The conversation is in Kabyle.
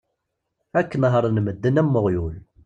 Ad k-nehren medden am uɣyul